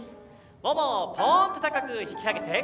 ももをポーンと高く引き上げて。